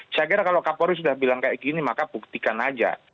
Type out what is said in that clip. saya kira kalau kapolri sudah bilang kayak gini maka buktikan aja